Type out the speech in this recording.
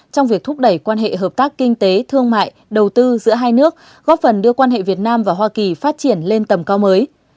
trong việc thúc đẩy quan hệ hợp tác kinh tế thương mại đầu tư giữa hai nước góp phần đưa quan hệ việt nam và hoa kỳ phát triển lên tầm cao mới